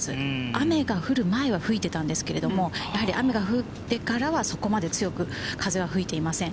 雨が降る前は吹いていたんですけれども、雨が降ってからは、そこまで強く風は吹いていません。